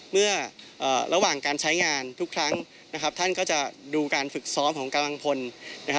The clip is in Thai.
เมื่อระหว่างการใช้งานทุกครั้งนะครับท่านก็จะดูการฝึกซ้อมของกำลังพลนะฮะ